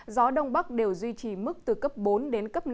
gió đông bắc đều duy trì mức từ cấp bốn đến cấp năm